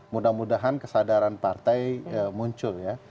mudah mudahan kesadaran partai muncul ya